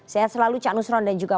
sehat selalu cak nusron dan juga